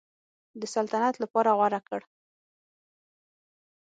د سلطنت لپاره غوره کړ.